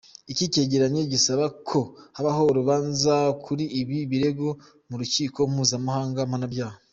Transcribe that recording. Iki cyegeranyo gisaba ko habaho urubanza kuri ibi birego mu rukiko mpuzamahanga mpanabyaha.